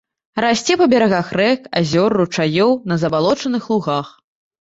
Расце па берагах рэк, азёр, ручаёў, на забалочаных лугах.